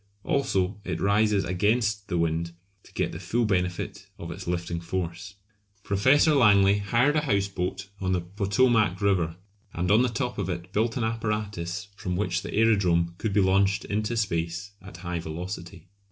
Also it rises against the wind to get the full benefit of its lifting force. Professor Langley hired a houseboat on the Potomac River, and on the top of it built an apparatus from which the aerodrome could be launched into space at high velocity.